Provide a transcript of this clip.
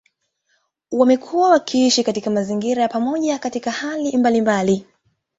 Wamekuwa wakiishi katika mazingira ya pamoja katika hali mbalimbali.